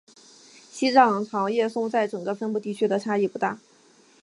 西藏长叶松在整个分布地区的变异不大。